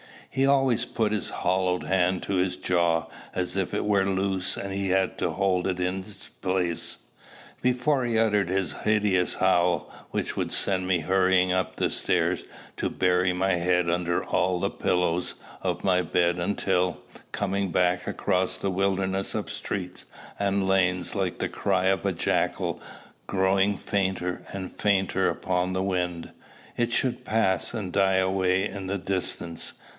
He always put his hollowed hand to his jaw, as if it were loose and he had to hold it in its place, before he uttered his hideous howl, which would send me hurrying up the stairs to bury my head under all the pillows of my bed until, coming back across the wilderness of streets and lanes like the cry of a jackal growing fainter and fainter upon the wind, it should pass, and die away in the distance.